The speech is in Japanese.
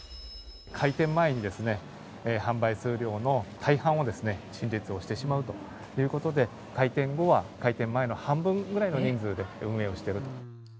開店前にですね、販売する量の大半を陳列をしてしまうということで、開店後は、開店前の半分ぐらいの人数で運営をしてると。